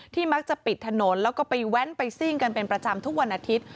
มักจะปิดถนนแล้วก็ไปแว้นไปซิ่งกันเป็นประจำทุกวันอาทิตย์